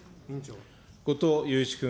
後藤祐一君。